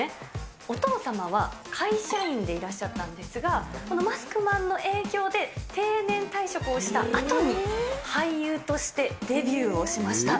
お父様は会社員でいらっしゃったんですが、マスクマンの営業で定年退職をしたあとに、俳優としてデビューをしました。